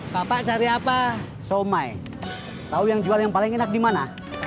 bapak cari apa somai tahu yang jual yang paling enak di mana